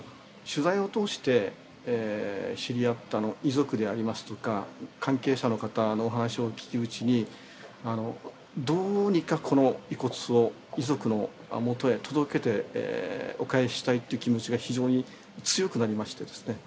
取材を通して知り合った遺族でありますとか関係者の方のお話を聞くうちにどうにかこの遺骨を遺族のもとへ届けてお返ししたいという気持ちが非常に強くなりましてですね